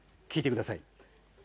聴いてください。